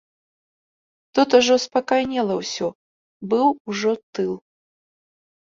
Тут ужо спакайнела ўсё, быў ужо тыл.